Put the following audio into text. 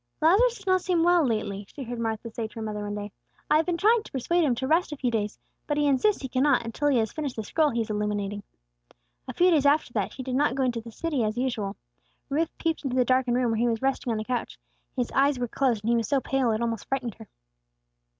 "Lazarus does not seem well, lately," she heard Martha say to her mother one day. "I have been trying to persuade him to rest a few days; but he insists he cannot until he has finished the scroll he is illuminating." A few days after that he did not go to the city as usual. Ruth peeped into the darkened room where he was resting on a couch; his eyes were closed, and he was so pale it almost frightened her.